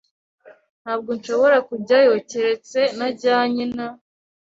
Ntabwo nshobora kujyayo keretse najyanye na